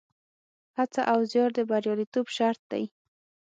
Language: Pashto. هڅه او زیار د بریالیتوب شرط دی.